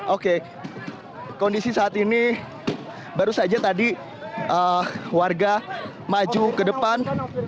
oke kondisi saat ini baru saja tadi warga maju ke depan